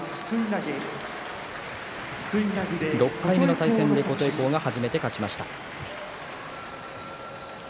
６回目の対戦で琴恵光が初めて勝ちました。